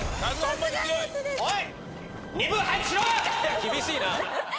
厳しいな。